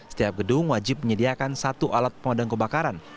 setiap gedung wajib menyediakan satu alat pemadam kebakaran